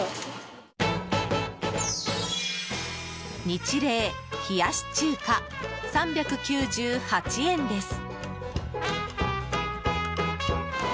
ニチレイ、冷やし中華３９８円です。